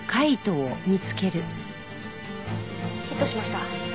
ヒットしました。